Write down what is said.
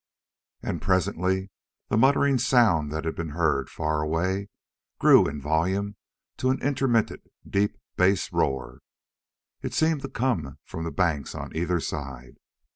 And presently the muttering sound that had been heard far away grew in volume to an intermittent deep bass roar. It seemed to come from the banks on either side.